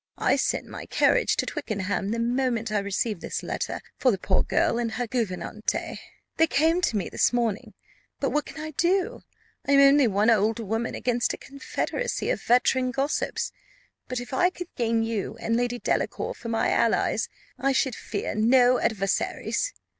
I sent my carriage to Twickenham, the moment I received this letter, for the poor girl and her gouvernante. They came to me this morning; but what can I do? I am only one old woman against a confederacy of veteran gossips; but if I could gain you and Lady Delacour for my allies, I should fear no adversaries.